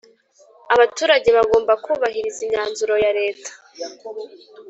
Abaturage bagomba kubahiriza imyanzuro ya leta